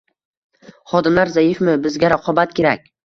Xodimlar zaifmi? Bizga raqobat kerak